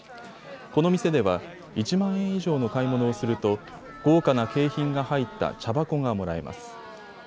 この店では１万円以上の買い物をすると豪華な景品が入った茶箱がもらえます。